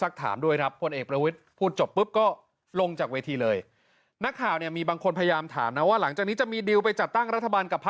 ขอบคุณนะครับขอบคุณครับ